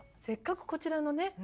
せっかくこちらのね